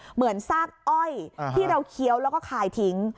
เหมือนซากอ้อยที่เราเคี้ยวแล้วก็คายทิ้ง